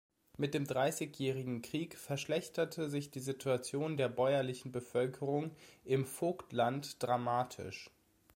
Mit dem Dreißigjährigen Krieg verschlechterte sich die Situation der bäuerlichen Bevölkerung im Vogtland dramatisch.